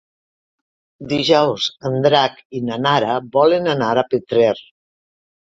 Dijous en Drac i na Nara volen anar a Petrer.